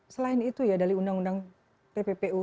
selain itu ya dari undang undang tppu